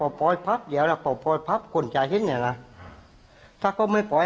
อันต่อไปนี่ด้วยเราจะดื้อเต๋อไงก็ใชิงเราก็ช่วย